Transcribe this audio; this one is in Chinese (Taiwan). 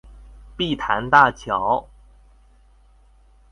碧潭大橋